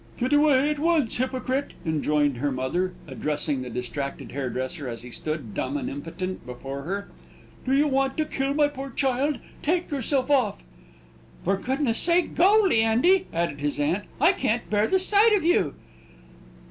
"Go away at once, hypocrite!" enjoined her mother, addressing the distracted hairdresser, as he stood, dumb and impotent, before her. "Do you want to kill my poor child? Take yourself off!" "For goodness' sake, go, Leandy," added his aunt. "I can't bear the sight of you!"